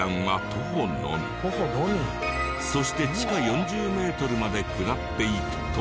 そして地下４０メートルまで下っていくと。